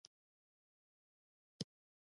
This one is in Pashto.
آزاد تجارت مهم دی ځکه چې پرمختګ پایداره کوي.